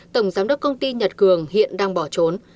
tổng giám đốc công ty nhật cường hiện đang bỏ trốn